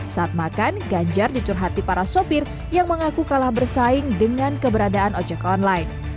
saat makan ganjar dicurhati para sopir yang mengaku kalah bersaing dengan keberadaan ojek online